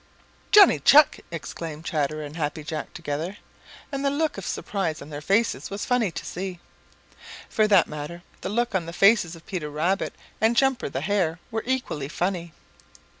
"Johnny Chuck!" exclaimed Chatterer and Happy Jack together, and the look of surprise on their faces was funny to see. For that matter, the looks on the faces of Peter Rabbit and Jumper the Hare were equally funny.